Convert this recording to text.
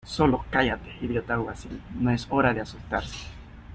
¡ Sólo cállate, idiota! Alguacil , no es hora de asustarse.